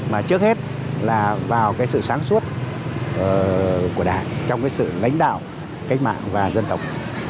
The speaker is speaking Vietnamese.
mà trước hết là vào cái sự sáng suốt của đảng trong cái sự lãnh đạo cách mạng và dân tộc